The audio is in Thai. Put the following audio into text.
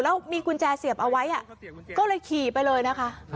แล้วมีกุญแจเสียบเอาไว้ก็เลยขี่ไปเลยนะคะ